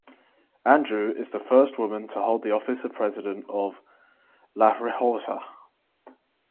Andreu is the first woman to hold the office of President of La Rioja.